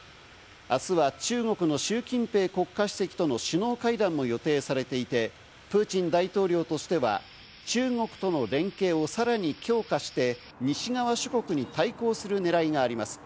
あすは中国のシュウ・キンペイ国家主席との首脳会談も予定されていて、プーチン大統領としては中国との連携をさらに強化して西側諸国に対抗する狙いがあります。